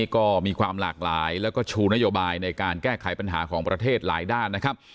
ก็มีความหลากหลายแล้วก็ชูนโยบายในการแก้ไขปัญหาของประเทศหลายด้านนะครับ